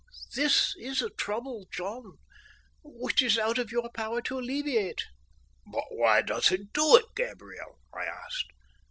This is a trouble, John, which it is out of your power to alleviate." "But why does he do it, Gabriel?" I asked.